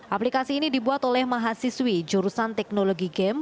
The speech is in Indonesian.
aplikasi ini dibuat oleh mahasiswi jurusan teknologi game